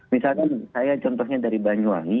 misalkan saya contohnya dari banyuwangi